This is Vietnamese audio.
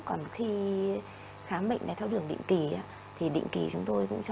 còn khi khám bệnh đái tháo đường định kỳ thì định kỳ chúng tôi cũng cho